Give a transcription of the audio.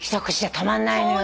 止まんないもんね。